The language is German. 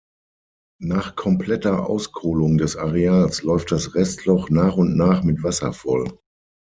Nach kompletter Auskohlung des Areals läuft das Restloch nach und nach mit Wasser voll.